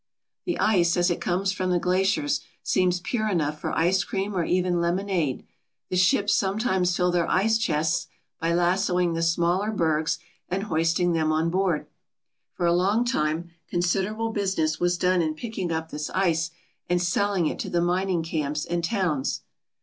The ice as it comes from the glaciers seems pure enough for ice cream or even lemonade. The ships sometimes fill their ice chests by lassoing the smaller bergs and hoist ing them on board. For a long time considerable business was done in picking up this ice and selling it to the mining camps and towns.